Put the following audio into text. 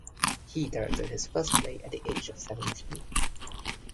He directed his first play at the age of seventeen.